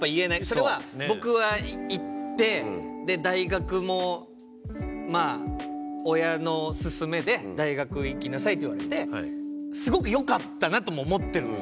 それは僕は行って大学もまあ親の勧めで「大学行きなさい」と言われてすごくよかったなとも思ってるんですよ